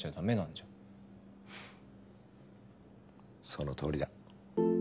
そのとおりだ。